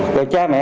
của cha mẹ